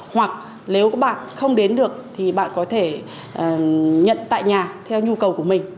hoặc nếu các bạn không đến được thì bạn có thể nhận tại nhà theo nhu cầu của mình